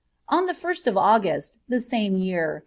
On the Ist of August, the same year.